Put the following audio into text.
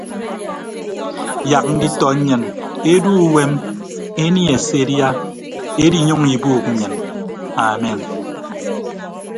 Yak nditọ nnyịn edu uwem enie se edia ediiyʌñ ibuuk nnyịn amen.